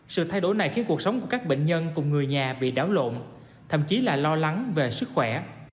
sự thay đổi này khiến cuộc sống của các bệnh nhân cùng người nhà bị đảo lộn thậm chí là lo lắng về sức khỏe